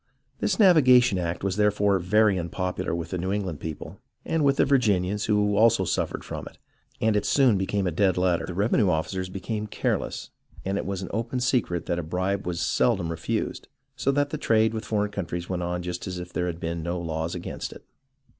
This navigation act was therefore very unpopular with the New England people, and with the Virginians, who also suffered from it, and it soon became a dead letter. The revenue officers became careless, and it was an open secret that a bribe was seldom refused, so that the trade with for eign countries went on just as if there had been no laws against it.